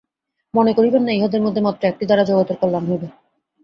মনে করিবেন না, ইহাদের মধ্যে মাত্র একটি দ্বারা জগতের কল্যাণ হইবে।